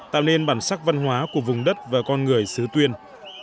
tạo nên bản sắc văn hóa của vùng đất và con người xứ tuyên